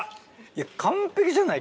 完璧じゃない？